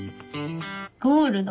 ゴールド？